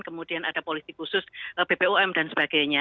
kemudian ada polisi khusus bpom dan sebagainya